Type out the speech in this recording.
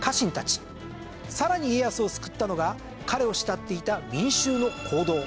さらに家康を救ったのが彼を慕っていた民衆の行動。